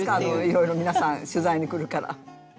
いろいろ皆さん取材に来るから。